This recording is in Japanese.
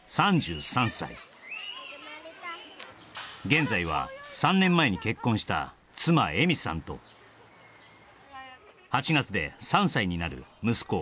現在は３年前に結婚した妻・恵美さんと８月で３歳になる息子